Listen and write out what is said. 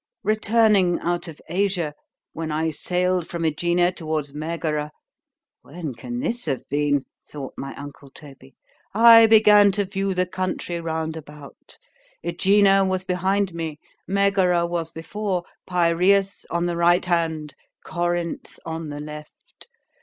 "Returning out of Asia, when I sailed from Ægina towards Megara," (when can this have been? thought my uncle Toby,) "I began to view the country round about. Ægina was behind me, Megara was before, Pyræus on the right hand, Corinth on the left.